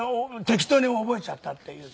適当に覚えちゃったっていう。